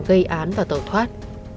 gây án và tẩu thoát